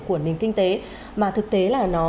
của nền kinh tế mà thực tế là nó